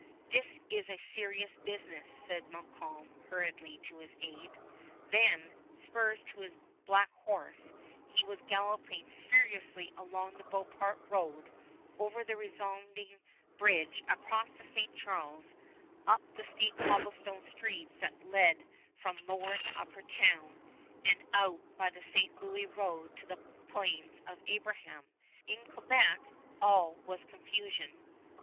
"This is a serious business," said Montcalm hurriedly to his aide. Then, spurs to his big black horse, he was galloping furiously along the Beauport road, over the resounding bridge across the St. Charles, up the steep cobblestone streets that lead from Lower to Upper Town, and out by the St. Louis road to the Plains of Abraham. In Quebec all was confusion.